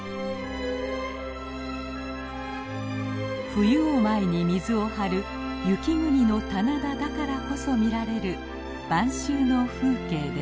冬を前に水を張る雪国の棚田だからこそ見られる晩秋の風景です。